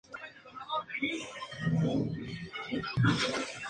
comimos